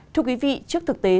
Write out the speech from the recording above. thưa quý vị trước thực tế